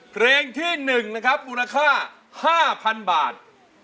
เพลงที่๑นะครับมูลค่า๕๐๐๐บาท